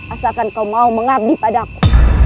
asalkan kau mau mengabdi padaku